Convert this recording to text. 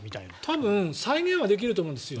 多分再現はできると思うんですよ。